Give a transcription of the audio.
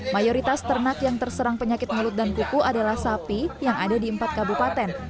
mayoritas ternak yang terserang penyakit mulut dan kuku adalah sapi yang ada di empat kabupaten